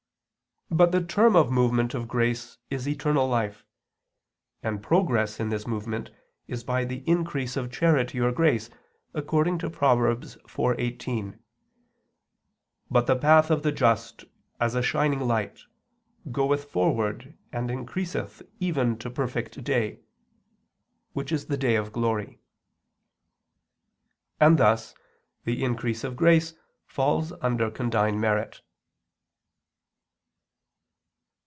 But the term of the movement of grace is eternal life; and progress in this movement is by the increase of charity or grace according to Prov. 4:18: "But the path of the just as a shining light, goeth forward and increaseth even to perfect day," which is the day of glory. And thus the increase of grace falls under condign merit.